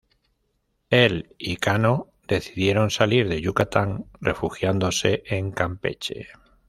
Él y Cano decidieron salir de Yucatán, refugiándose en Campeche.